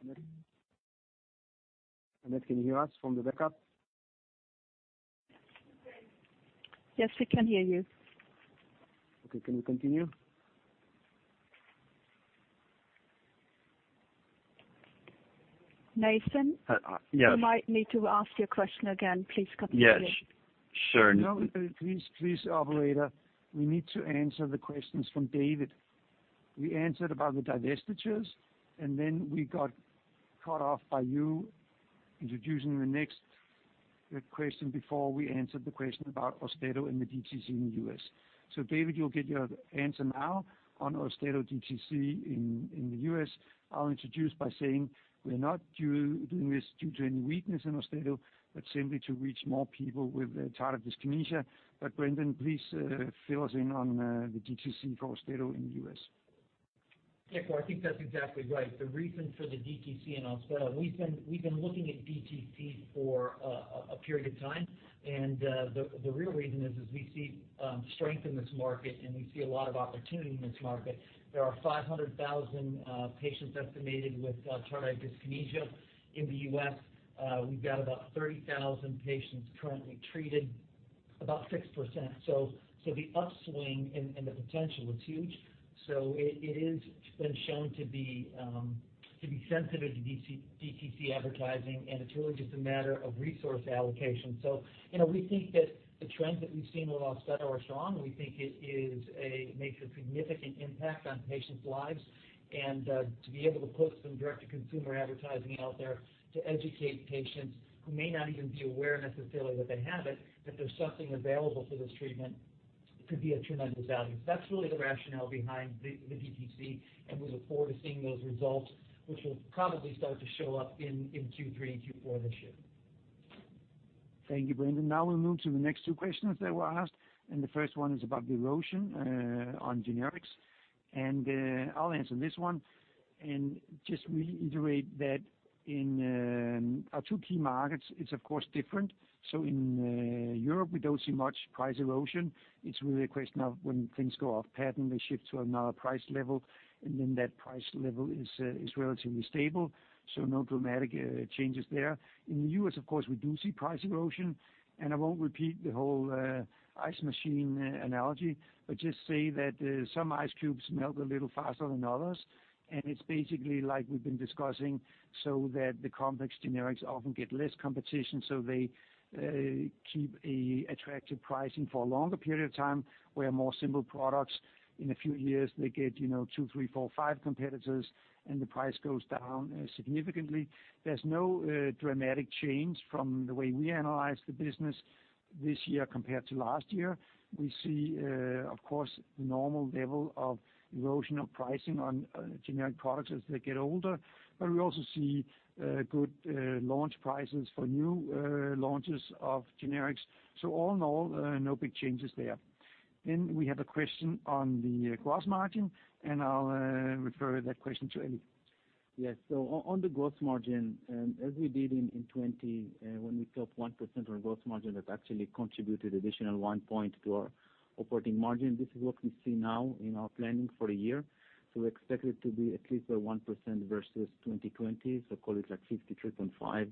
line. Annette, can you hear us from the backup? Yes, we can hear you. Okay. Can we continue? Nathan? Yes. You might need to ask your question again. Please continue. Yes. Sure. No. Please, operator. We need to answer the questions from David. We answered about the divestitures, and then we got cut off by you introducing the next question before we answered the question about AUSTEDO and the DTC in the U.S. David, you'll get your answer now on AUSTEDO DTC in the U.S. I'll introduce by saying we're not doing this due to any weakness in AUSTEDO, but simply to reach more people with tardive dyskinesia. Brendan, please fill us in on the DTC for AUSTEDO in the U.S. Yeah. I think that's exactly right. The reason for the DTC in AUSTEDO, we've been looking at DTC for a period of time. The real reason is we see strength in this market. We see a lot of opportunity in this market. There are 500,000 patients estimated with tardive dyskinesia in the U.S. We've got about 30,000 patients currently treated, about 6%. The upswing and the potential is huge. It has been shown to be sensitive to DTC advertising. It's really just a matter of resource allocation. We think that the trends that we've seen with AUSTEDO are strong. We think it makes a significant impact on patients' lives. To be able to put some direct-to-consumer advertising out there to educate patients who may not even be aware necessarily that they have it, that there's something available for this treatment, could be a tremendous value. That's really the rationale behind the DTC, and we look forward to seeing those results, which will probably start to show up in Q3 and Q4 this year. Thank you, Brendan. We'll move to the next two questions that were asked. The first one is about the erosion on generics. I'll answer this one and just reiterate that in our two key markets it's of course different. In Europe, we don't see much price erosion. It's really a question of when things go off patent, they shift to another price level. That price level is relatively stable, no dramatic changes there. In the U.S., of course, we do see price erosion. I won't repeat the whole ice machine analogy, just say that some ice cubes melt a little faster than others. It's basically like we've been discussing, the complex generics often get less competition, they keep attractive pricing for a longer period of time. Where more simple products, in a few years, they get two, three, four, five competitors and the price goes down significantly. There's no dramatic change from the way we analyze the business this year compared to last year. We see, of course, the normal level of erosion of pricing on generic products as they get older. We also see good launch prices for new launches of generics. All in all, no big changes there. We have a question on the gross margin, and I'll refer that question to Eli. Yes. On the gross margin, as we did in 2020, when we took 1% on gross margin, that actually contributed additional one point to our operating margin. This is what we see now in our planning for a year. We expect it to be at least a 1% versus 2020. Call it like 53.5%,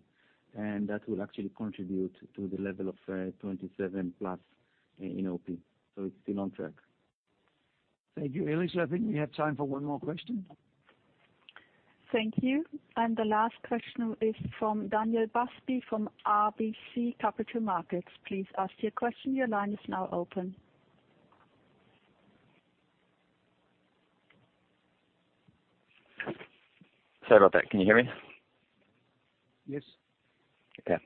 and that will actually contribute to the level of 27% plus in OP. It's still on track. Thank you, Eli. I think we have time for one more question. Thank you. The last question is from Daniel Busby from RBC Capital Markets. Please ask your question. Your line is now open. Sorry about that. Can you hear me? Yes. Okay.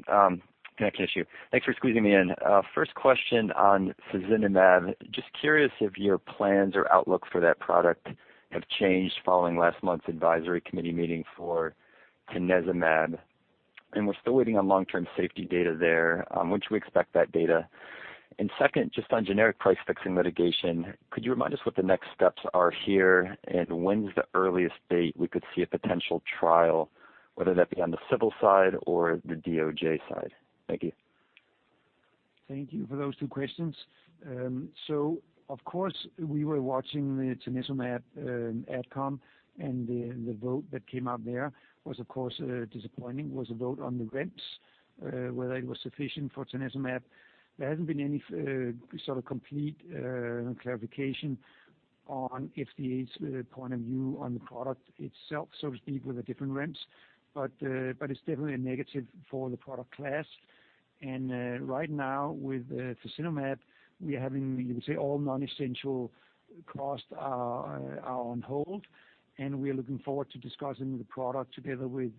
Connection issue. Thanks for squeezing me in. First question on fasinumab. Just curious if your plans or outlook for that product have changed following last month's advisory committee meeting for tanezumab, and we're still waiting on long-term safety data there. When should we expect that data? Second, just on generic price fixing litigation, could you remind us what the next steps are here and when's the earliest date we could see a potential trial, whether that be on the civil side or the DOJ side? Thank you. Thank you for those two questions. Of course, we were watching the tanezumab AdCom and the vote that came out there was, of course, disappointing. Was a vote on the REMS, whether it was sufficient for tanezumab. There hasn't been any sort of complete clarification on FDA's point of view on the product itself, so to speak, with the different REMS. It's definitely a negative for the product class. Right now, with fasinumab, we are having, you could say, all non-essential costs are on hold, and we are looking forward to discussing the product together with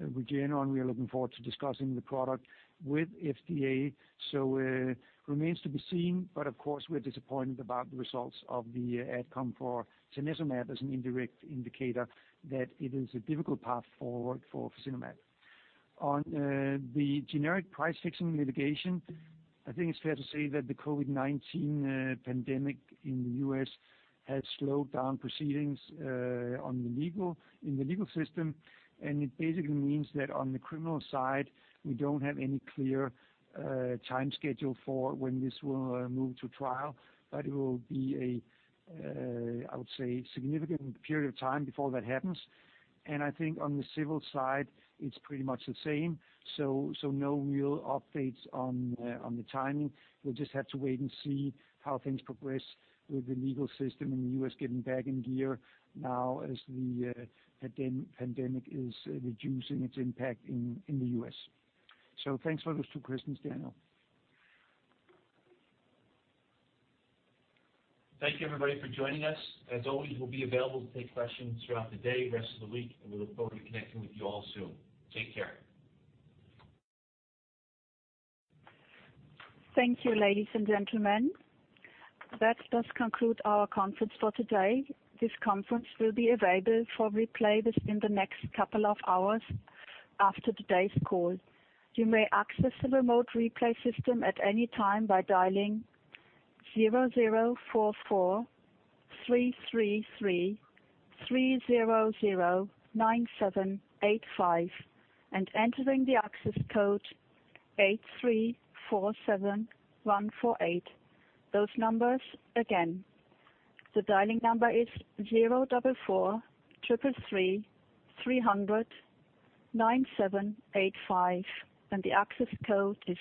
Regeneron. We are looking forward to discussing the product with FDA. It remains to be seen, but of course, we're disappointed about the results of the AdCom for tanezumab as an indirect indicator that it is a difficult path forward for fasinumab. On the generic price fixing litigation, I think it's fair to say that the COVID-19 pandemic in the U.S. has slowed down proceedings in the legal system, and it basically means that on the criminal side, we don't have any clear time schedule for when this will move to trial. It will be a, I would say, significant period of time before that happens. I think on the civil side, it's pretty much the same. No real updates on the timing. We'll just have to wait and see how things progress with the legal system in the U.S. getting back in gear now as the pandemic is reducing its impact in the U.S. Thanks for those two questions, Daniel. Thank you everybody for joining us. As always, we'll be available to take questions throughout the day, rest of the week, and we look forward to connecting with you all soon. Take care. Thank you, ladies and gentlemen. That does conclude our conference for today. This conference will be available for replay within the next couple of hours after today's call. You may access the remote replay system at any time by dialing 0044 333 300 9785 and entering the access code 8347148. Those numbers again. The dialing number is 044 333 300 9785 and the access code is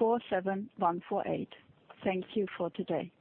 8347148. Thank you for today.